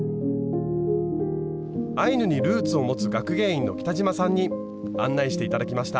アイヌにルーツを持つ学芸員の北嶋さんに案内して頂きました。